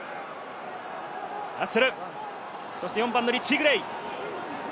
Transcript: ラッセル、そして４番のリッチー・グレイ。